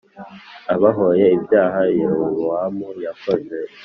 abahoye ibyaha Yerobowamu yakoze